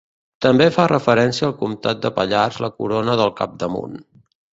També fa referència al comtat de Pallars la corona del capdamunt.